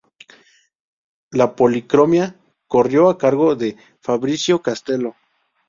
La policromía corrió a cargo de Fabrizio Castelo.